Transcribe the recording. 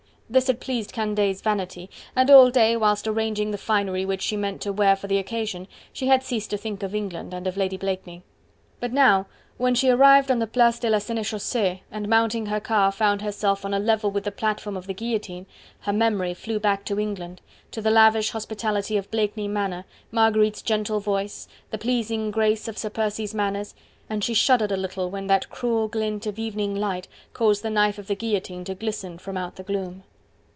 This had pleased Candeille's vanity, and all day, whilst arranging the finery which she meant to wear for the occasion, she had ceased to think of England and of Lady Blakeney. But now, when she arrived on the Place de la Senechaussee, and mounting her car, found herself on a level with the platform of the guillotine, her memory flew back to England, to the lavish hospitality of Blakeney Manor, Marguerite's gentle voice, the pleasing grace of Sir Percy's manners, and she shuddered a little when that cruel glint of evening light caused the knife of the guillotine to glisten from out the gloom.